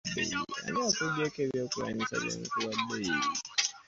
Ani akuggyeeko ebyokuzannyisa bye nkuwadde?